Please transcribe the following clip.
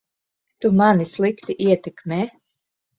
Tu mani slikti ietekmē.